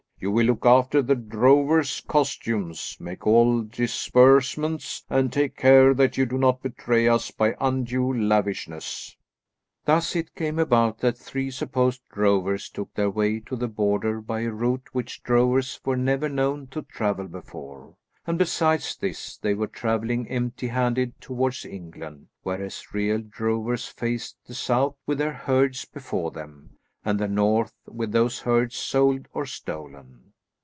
You will look after the drover's costumes, make all disbursements, and take care that you do not betray us by undue lavishness." Thus it came about that three supposed drovers took their way to the Border by a route which drovers were never known to travel before, and, besides this, they were travelling empty handed towards England, whereas, real drovers faced the south with their herds before them, and the north with those herds sold or stolen.